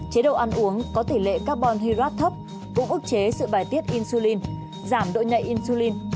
chế độ ăn uống có tỷ lệ carbon hyrap thấp cũng ước chế sự bài tiết insulin giảm độ nhạy insulin